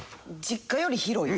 実家より広い。